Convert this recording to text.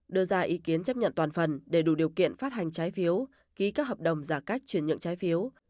đưa ra ý kiến chấp nhận toàn phần để đủ điều kiện phát hành trái phiếu ký các hợp đồng giả cách chuyển nhượng trái phiếu